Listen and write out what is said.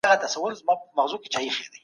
د اوبو ډېر څښل د بدن صفايي ده.